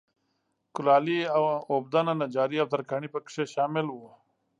کولالي، اوبدنه، نجاري او ترکاڼي په کې شامل وو